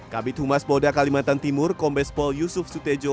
kabit humas boda kalimantan timur kombespol yusuf sutejo